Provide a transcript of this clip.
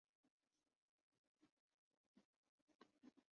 میں تبدیلی کر کے ہم رنگ آمیزی کو بھی تبدیل